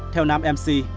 theo nam mc